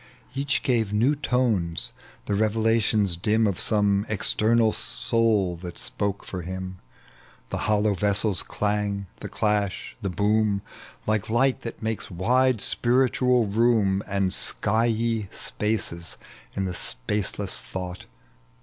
Each gave new tones, the revelations dim Of some external soul that spoke for him r The hollow vessel's clang, the clash, the boom, Like light that malces wide spiritual room And skyey spaces in the spaceless thought.